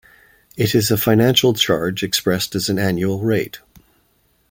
It is a finance charge expressed as an annual rate.